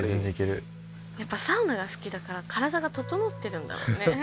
やっぱサウナが好きだから体が整ってるんだろうね。